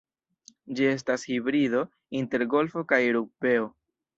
Ĝi estas hibrido inter golfo kaj rugbeo.